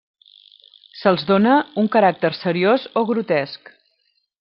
Se'ls dóna un caràcter seriós o grotesc.